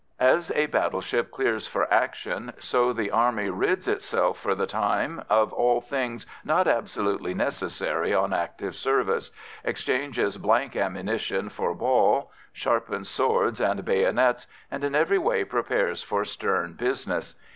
As a battleship clears for action, so the Army rids itself for the time of all things not absolutely necessary on active service, exchanges blank ammunition for ball, sharpens swords and bayonets, and in every way prepares for stern business.